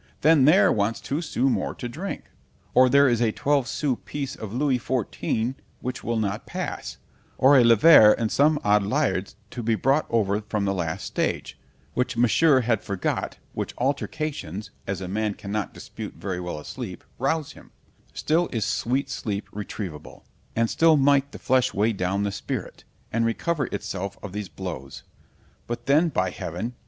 ——Then there wants two sous more to drink——or there is a twelve sous piece of Louis XIV. which will not pass—or a livre and some odd liards to be brought over from the last stage, which Monsieur had forgot; which altercations (as a man cannot dispute very well asleep) rouse him: still is sweet sleep retrievable; and still might the flesh weigh down the spirit, and recover itself of these blows—but then, by heaven!